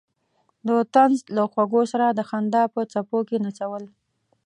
د طنز له خوږو سره د خندا په څپو کې نڅول.